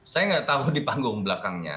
saya nggak tahu di panggung belakangnya